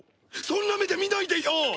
そんな目で見ないでよ！